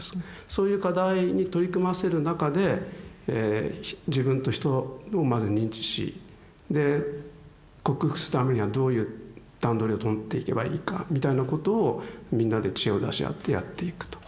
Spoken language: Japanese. そういう課題に取り組ませる中で自分と人をまず認知しで克服するためにはどういう段取りをとっていけばいいかみたいなことをみんなで知恵を出し合ってやっていくと。